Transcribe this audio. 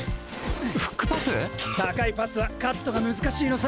フックパス⁉高いパスはカットが難しいのさ！